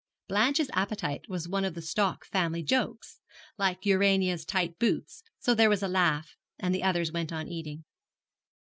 Blanche's appetite was one of the stock family jokes, like Urania's tight boots; so there was a laugh, and the others went on eating.